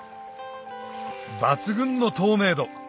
抜群の透明度